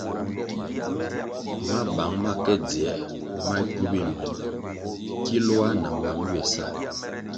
Mabang ma ke dzier ma gywu binuen kiloah na mam ywe sa.